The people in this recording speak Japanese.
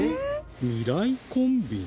「未来コンビニ」？